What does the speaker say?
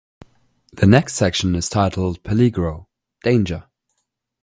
The next section is titled "Peligro" ("danger").